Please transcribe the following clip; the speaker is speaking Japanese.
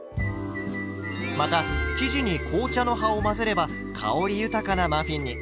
また生地に紅茶の葉を混ぜれば香り豊かなマフィンに。